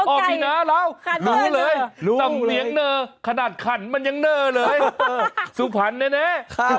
พี่น้าเรารู้เลยสำเนียงเนอขนาดขันมันยังเนอร์เลยสุพรรณแน่